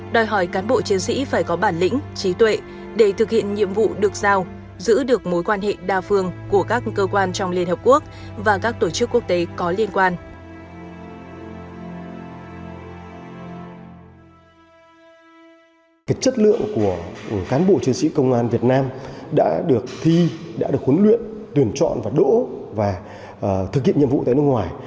đòi hỏi cán bộ chiến sĩ phải có bản lĩnh trí tuệ để thực hiện nhiệm vụ được sao giữ được mối quan hệ đa phương của các cơ quan trong liên hợp quốc và các tổ chức quốc tế có liên quan